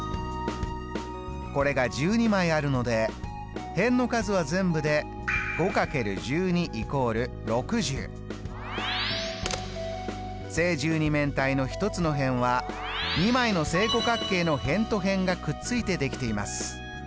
これが１２枚あるので辺の数は全部で正十二面体の１つの辺は２枚の正五角形の辺と辺がくっついて出来ています。